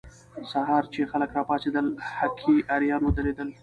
سهار چې خلک راپاڅېدل، هکي اریان ودرېدل.